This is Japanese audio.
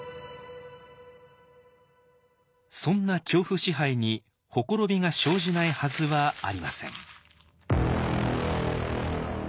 そんな恐怖支配に綻びが生じないはずはありません。